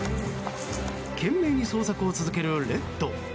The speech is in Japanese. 懸命に捜索を続けるレッド。